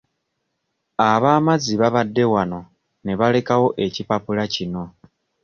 Ab'amazzi babadde wano ne balekawo ekipapula kino.